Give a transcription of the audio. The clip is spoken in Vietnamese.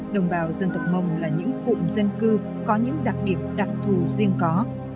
đồng bào dân tộc mông là những cụm dân cư có những đặc điểm đặc thù riêng có